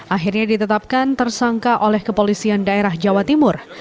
akhirnya ditetapkan tersangka oleh kepolisian daerah jawa timur